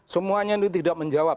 semuanya ini tidak menjawab